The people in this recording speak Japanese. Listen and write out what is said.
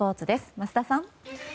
桝田さん。